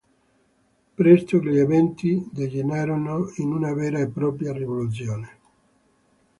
Presto gli eventi degenerarono in una vera e propria rivoluzione.